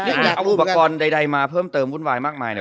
อยากเอาอุปกรณ์ใดมาเพิ่มเติมวุ่นวายมากมายเนี่ย